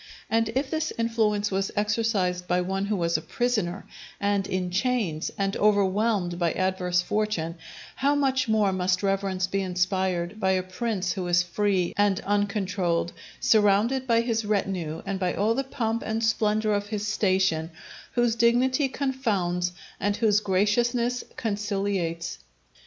And if this influence was exercised by one who was a prisoner, and in chains, and overwhelmed by adverse fortune, how much more must reverence be inspired by a prince who is free and uncontrolled, surrounded by his retinue and by all the pomp and splendour of his station; whose dignity confounds, and whose graciousness conciliates.